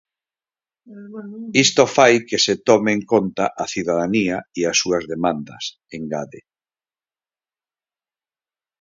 "Isto fai que se tome en conta á cidadanía e ás súas demandas", engade.